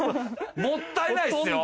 もったいないっすよ！